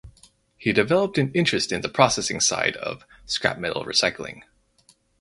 He developed an interest in the processing side of scrap metal recycling.